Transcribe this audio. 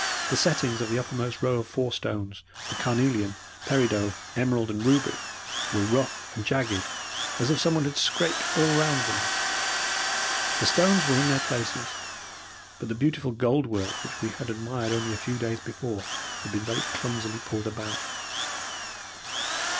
The settings of the uppermost row of four stones the carnelian, peridot, emerald, and ruby were rough and jagged as if someone had scraped all round them. The stones were in their places, but the beautiful gold work which we had admired only a few days before had been very clumsily pulled about.